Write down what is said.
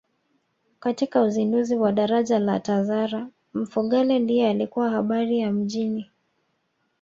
Katika uzinduzi wa daraja la Tazara Mfugale ndiye alikuwa habari ya mjini